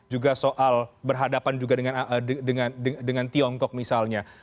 juga soal berhadapan juga dengan tiongkok misalnya